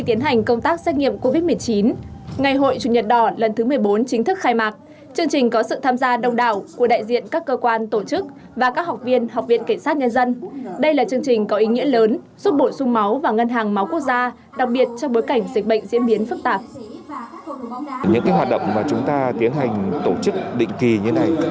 trong thời điểm dịch covid một mươi chín đang có những diễn biến rất phức tạp như hiện nay